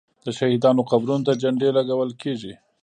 د شهیدانو قبرونو ته جنډې لګول کیږي.